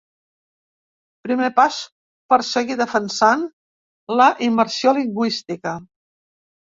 Primer pas per seguir defensant la immersió lingüística!